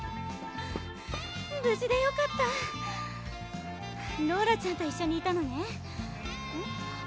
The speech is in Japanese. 無事でよかったローラちゃんと一緒にいたのねうん？